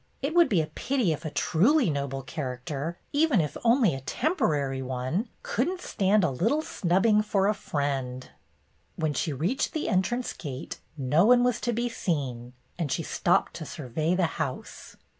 It would be a pity if a truly Noble Character, even if only a temporary one, could n't stand a little snubbing for a friend !" When she reached the entrance gate, no one was to be seen, and she stopped to survey the house.